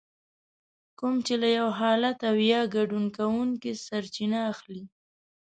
کوم چې له يو حالت او يا ګډون کوونکي سرچينه اخلي.